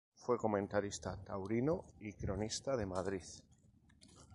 Fue comentarista taurino y cronista de Madrid.